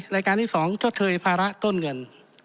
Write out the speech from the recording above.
รายการที่๒ชดเชยภาระต้นเงิน